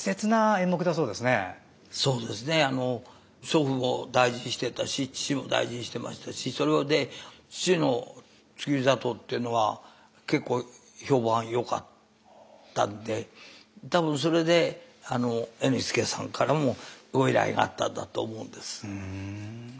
祖父も大事にしてたし父も大事にしてましたしそれで父の「月見座頭」っていうのは結構評判よかったんで多分それでＮＨＫさんからもご依頼があったんだと思うんです。